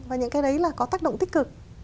và những cái đấy là có tác động tích cực